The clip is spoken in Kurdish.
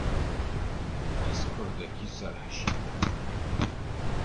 Ez kurdekî serhişk im.